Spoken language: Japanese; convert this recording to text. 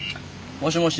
もしもし。